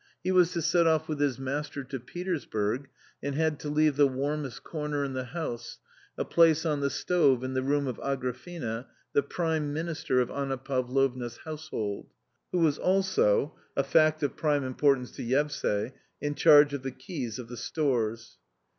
He was to set off with his master to Petersburg, and had to leave the warmest corner in the house, a place on the stove in the room of Agrafena, the prime minister of Anna Pavlovna's household, who was also, a fact of prime importance to "Yevsay, in charge of the keys of the stores.